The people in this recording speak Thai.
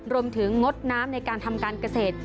รวมถึงงดน้ำในการทำการเกษตร